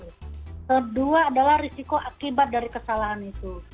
kedua adalah risiko akibat dari kesalahan itu